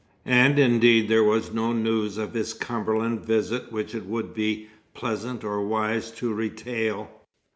And indeed there was no news of his Cumberland visit which it would be pleasant or wise to retail.